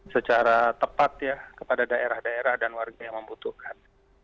secara tepat ya kepada daerah daerah dan warga yang membutuhkan